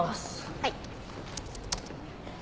はい。